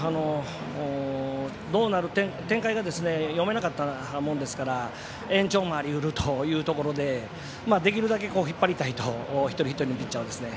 展開が読めなかったものですから延長もあり得るというところでできるだけ引っ張りたいと一人一人のピッチャーを。